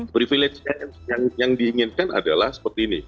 privilege yang diinginkan adalah seperti ini